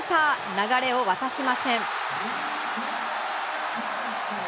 流れを渡しません。